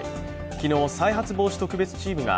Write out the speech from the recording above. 昨日、再発防止特別チームが